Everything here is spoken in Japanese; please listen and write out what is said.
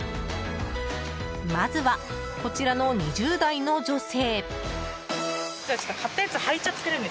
まずは、こちらの２０代の女性。